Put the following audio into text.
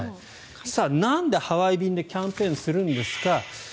なんでハワイ便でキャンペーンするんですか。